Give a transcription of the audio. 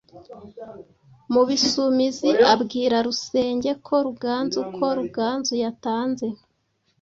mu Bisumizi abwira Rusenge ko Ruganzu ko Ruganzu yatanze.